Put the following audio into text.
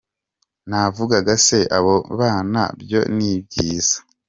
navugaga se abo bana byo ni byiza.